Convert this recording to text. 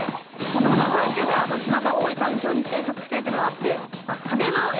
もともとの環境が砂が多い環境に生息してるというのもあって。